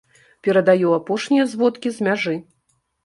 Перадаю апошнія зводкі з мяжы!